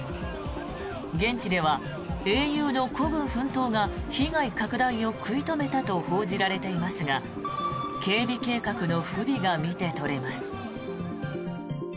現地では英雄の孤軍奮闘が被害拡大を食い止めたと報じられていますが警備計画の不備が見て取れます。